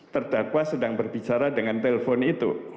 terdakwa sedang berbicara dengan telpon itu